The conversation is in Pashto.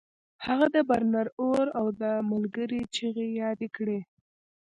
هغه د برنر اور او د ملګري چیغې یادې کړې